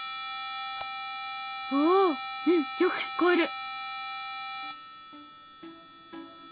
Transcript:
おおうんよく聞こえる！